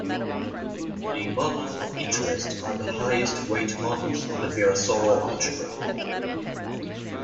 The modules of interest are the highest weight modules of the Virasoro algebra.